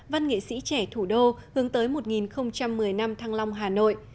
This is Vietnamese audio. văn nghệ sĩ trẻ thủ đô hướng tới một nghìn một mươi năm thăng long hà nội